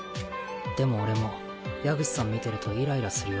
でも俺も矢口さん見てるとイライラするよ。